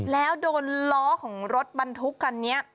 แล้วโดนล้อของรถบรรทุกคันนี้